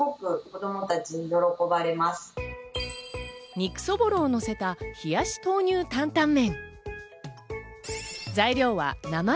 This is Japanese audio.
肉そぼろをのせた、冷やし豆乳担々麺。